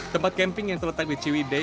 tempat camping yang terletak di ciwidei